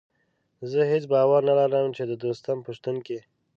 زه هېڅ باور نه لرم چې د دوستم په شتون کې.